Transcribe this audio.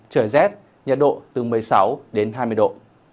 trời rét nhiệt độ từ một mươi sáu đến hai mươi độ